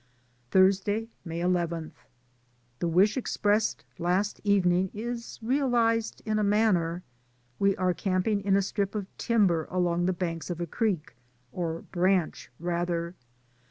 Thursday, May ii. The wish expressed last evening is real ized in a manner. We are camping in a strip of timber along the banks of a creek — or branch, rather.